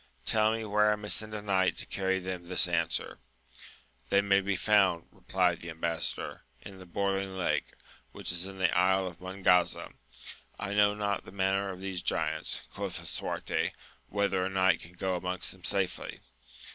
Tell me where I may send a knight to carry them this answer ] They may be found, replied the embassador, in the Boiling Lake, which is in the Isle of Mongaza. I know not the manner of these giants, quoth Lisuarte, whether a knight can go amongst them safely